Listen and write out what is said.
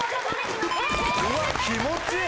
うわ気持ちいい！